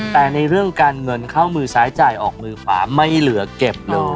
แต่ในเรื่องการเงินเข้ามือซ้ายจ่ายออกมือขวาไม่เหลือเก็บเลย